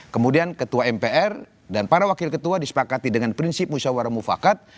kemudian ketua mpr dan para wakil ketua disepakati dengan prinsip musyawarah mufakat